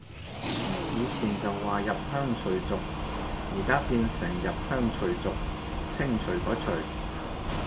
以前就話入鄉隨俗，而家變成入鄉除族，清除個除